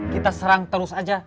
kita serang terus aja